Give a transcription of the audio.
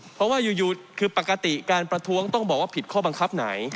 เพราะว่าอยู่คือปกติการประท้วงต้องบอกว่าผิดข้อบังคับไหน